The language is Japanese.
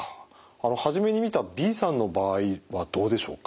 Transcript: あの初めに見たＢさんの場合はどうでしょうか？